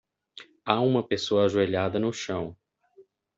Há uma pessoa ajoelhada no chão.